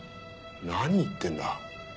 何言ってんだ。